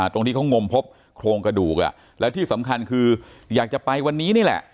ตรงที่เขางมพบโครงกระดูกแล้วที่สำคัญคืออยากจะไปวันนี้นี่แหละ